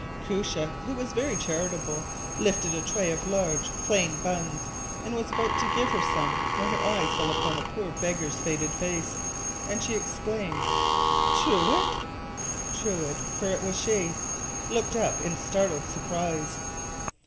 Koosje, who was very charitable, lifted a tray of large, plain buns, and was about to give her some, when her eyes fell upon the poor beggar’s faded face, and she exclaimed: “Truide!” Truide, for it was she, looked up in startled surprise.